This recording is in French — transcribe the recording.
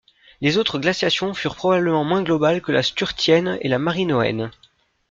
Les autres glaciations furent probablement moins globales que la sturtienne et la marinoenne.